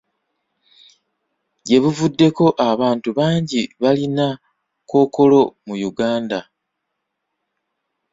Gye buvuddeko, abantu bangi balina kkookolo mu Uganda.